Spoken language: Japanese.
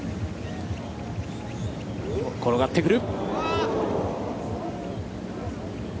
転がってくる。